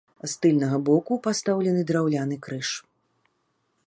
З тыльнага боку пастаўлены драўляны крыж.